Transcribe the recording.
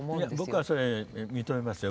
僕はそれ認めますよ。